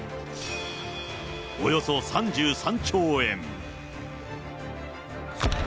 およそ３３兆円。